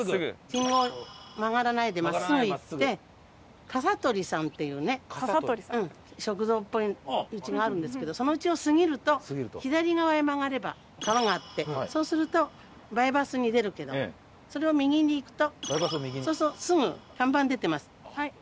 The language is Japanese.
信号曲がらないで真っすぐ行ってカサトリさんっていうね食堂っぽいうちがあるんですけどそのうちを過ぎると左側へ曲がれば川があってそうするとバイパスに出るけどそれを右に行くとそうするとすぐ看板出てます。